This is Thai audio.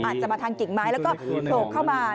อาจจะมาทางกิ่งไม้แล้วก็โผล่เข้ามา